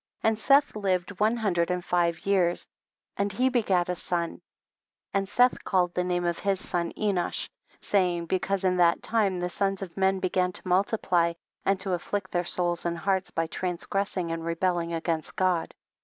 2. And Seth lived one hundred and five years, and he begat a son ; and Seth called the name of his son Enosh, saying, because in that time the sons of men began to multiply, and to afflict their souls and hearts by transgressing and rebelling against God.